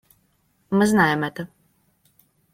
Мы знаем это.